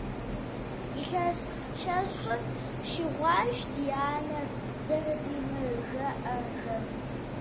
Илъэс щэщӏым щӏигъуащ ди анэр зэрыдимыӏэжрэ.